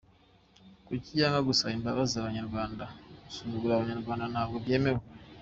Kuki yanga gusaba imbabazi Abanyarwanda? Gusuzugura Abanyarwanda ntabwo byemewe.